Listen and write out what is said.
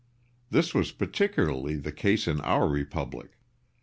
This was particularly the case in our Republic.